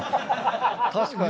確かに。